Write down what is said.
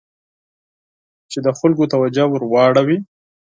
چې د خلکو توجه ور واړوي.